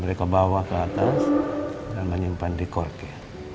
mereka bawa ke atas dan menyimpan di korke